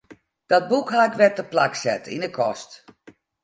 Dat boek haw ik wer teplak set yn 'e kast.